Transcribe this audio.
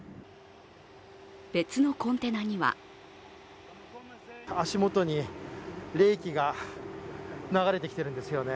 別のコンテナには足元に冷気が流れてきているんですよね。